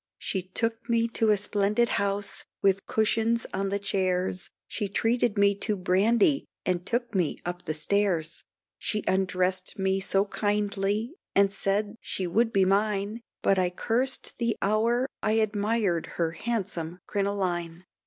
She took me to a splendid house, with cushions on the chairs, She treated me to brandy and took me up the stairs, She undressed me so kindly, and said she would be mine; But I cursed the hour I admired her handsome crinoline.